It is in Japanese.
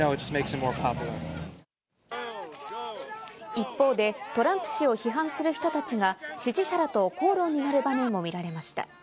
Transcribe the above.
一方でトランプ氏を批判する人たちが支持者らと口論になる場面も見られました。